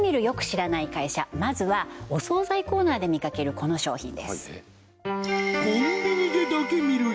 よく知らない会社まずはお総菜コーナーで見かけるこの商品です